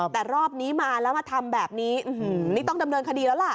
แต่รอบนี้มาแล้วมาทำแบบนี้นี่ต้องดำเนินคดีแล้วล่ะ